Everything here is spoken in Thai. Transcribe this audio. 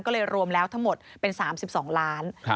ก็เลยรวมแล้วทั้งหมดเป็น๓๒ล้าน